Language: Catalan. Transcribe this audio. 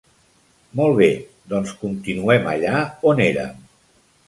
Molt bé, doncs continuem allà on érem.